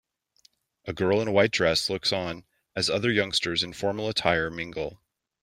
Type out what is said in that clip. A girl in a white dress looks on as other youngsters in formal attire mingle.